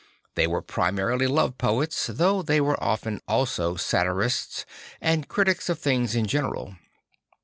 They were primarily love poets, though they were often also satirists and critics of things in general.